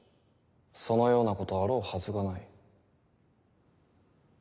そのようなことあろうはずがない。